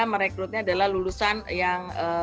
merekrutnya adalah lulusan yang